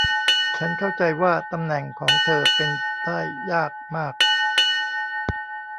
ฉันเข้าใจว่าตำแหน่งของเธอเป็นได้ยากมาก